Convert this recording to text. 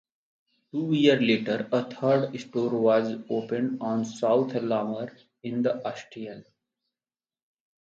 Two years later, a third store was opened on South Lamar in Austin.